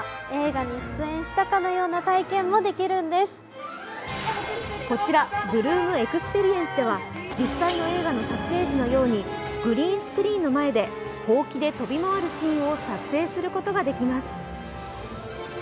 更にこちら、ブルームエクスペリエンスでは実際の映画の撮影時のようにグリーンスクリーンの前でほうきで飛び回るシーンを撮影することができます。